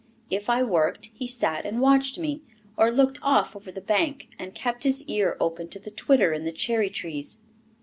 If I worked, he sat and watched me, or looked off over the bank, and kept his ear open to the twitter in the cherry trees.